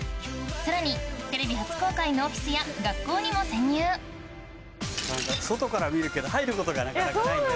さらにテレビ初公開のオフィスや学校にも潜入外からは見るけど入ることがなかなかないんでね。